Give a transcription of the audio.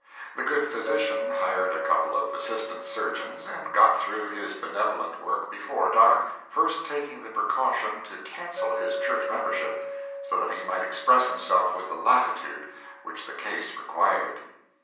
The good physician hired a couple of assistant surgeons and got through his benevolent work before dark, first taking the precaution to cancel his church membership, so that he might express himself with the latitude which the case required.